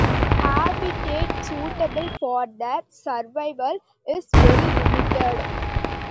Habitat suitable for their survival is very limited.